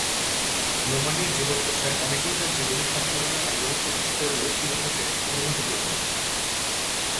নোমানীর জীবদ্দশায় অনেকেই তার জীবনী সংকলনের আগ্রহ প্রকাশ করলেও তিনি তাতে অনুমতি দেননি।